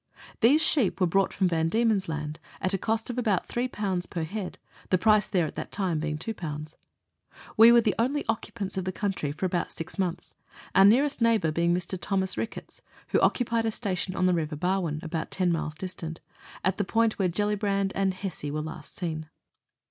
These sheep were brought from Van Diemeu's Land, at a cost of about 3 per head, the price there at that time being 2. We were the only occupants of the country for about six mouths, our nearest neighbour being Mr. Thomas Ricketts, who occupied a station on the River Barwon about ten miles distant at the point where Gellibraud and Hesse were last seen.